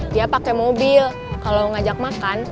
dia pake mobil kalo ngajak makan